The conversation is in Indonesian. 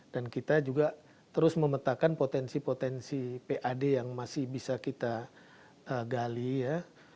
dan kita juga terus memetakan potensi potensi pad yang masih bisa kita gali ya